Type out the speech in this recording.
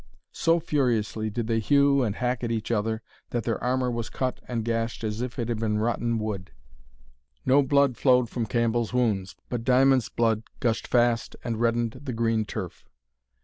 So furiously did they hew and hack at each other, that their armour was cut and gashed as if it had been rotten wood. No blood flowed from Cambell's wounds, but Diamond's blood gushed fast, and reddened the green turf.